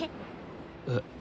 えっ？